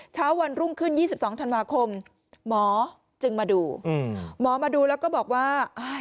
เช้าวันรุ่งขึ้น๒๒ธันวาคมหมอจึงมาดูหมอมาดูแล้วก็บอกว่า